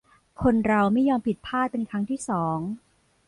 คนเราไม่ยอมผิดพลาดเป็นครั้งที่สอง